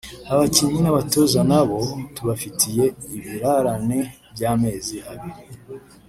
Abakinnyi n’abatoza na bo tubafitiye ibirarane by’amezi abiri